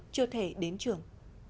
chưa thể đến trường